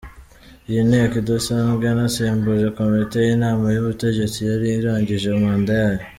Iyi nteko idasanzwe yanasimbuje komite y’inama y’ubutegetsi yari irangije manda yayo.